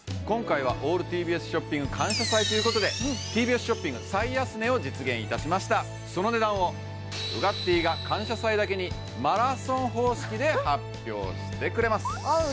今回はオールＴＢＳショッピング感謝祭ということでＴＢＳショッピング最安値を実現いたしましたその値段をウガッティーが感謝祭だけにマラソン方式で発表してくれますあ